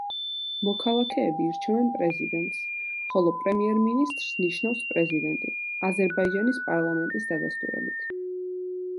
მოქალაქეები ირჩევენ პრეზიდენტს, ხოლო პრემიერ-მინისტრს ნიშნავს პრეზიდენტი, აზერბაიჯანის პარლამენტის დადასტურებით.